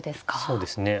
そうですね。